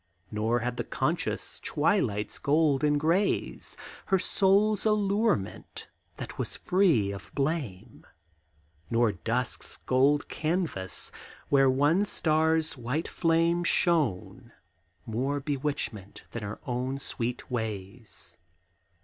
Nor had the conscious twilight's golds and grays Her soul's allurement, that was free of blame, Nor dusk's gold canvas, where one star's white flame Shone, more bewitchment than her own sweet ways.